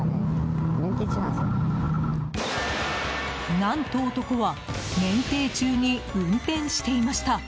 何と、男は免停中に運転していました。